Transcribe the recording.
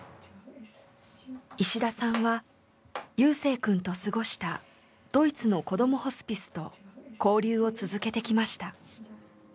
石田さんは夕青くんと過ごしたドイツのこどもホスピスと交流を続けてきました。